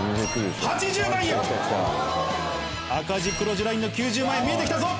赤字黒字ラインの９０万円見えて来たぞ！